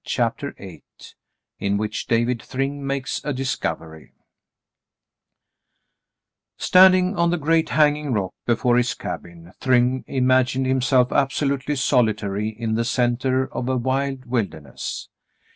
CHAPTER VIII IN WHICH DAVID THRYNG MAKES A DISCOVERY Standing on the great hanging rock, before his cabin, Thryng imagined himself absolutely solitary in the centre of a wide wilderness.